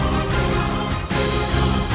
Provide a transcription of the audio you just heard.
nyai yang menolak